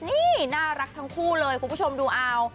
นี่น่ารักทั้งคู่เลยคุณผู้ชมดูเอา